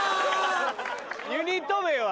ユニット名は？